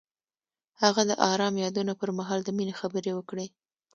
هغه د آرام یادونه پر مهال د مینې خبرې وکړې.